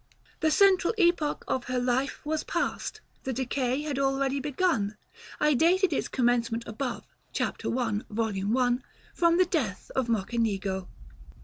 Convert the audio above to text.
The central epoch of her life was past; the decay had already begun: I dated its commencement above (Ch. I. Vol. 1.) from the death of Mocenigo.